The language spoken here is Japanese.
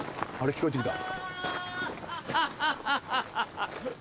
聞こえてきた。